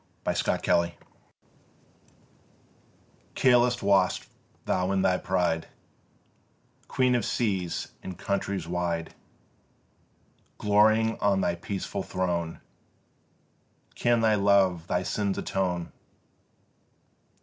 BRITANNIA VICTRIX Careless wast thou in thy pride, Queen of seas and countries wide, Glorying on thy peaceful throne: Can thy love thy sins atone?